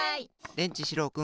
でんちしろうくん。